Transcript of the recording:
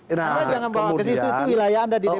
anda jangan bawa ke situ itu wilayah anda di dpr